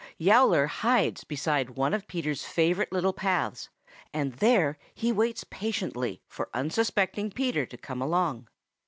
Yowler hides beside one of Peter's favorite little paths, and there he waits patiently for unsuspecting Peter to come along.